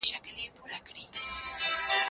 ایا انصاف ستونزي کموي؟